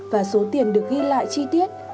và số tiền được ghi lại chi tiết